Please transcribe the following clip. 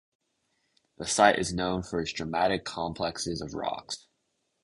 The site is known for its dramatic complexes of rocks